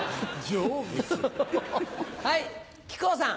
はい木久扇さん。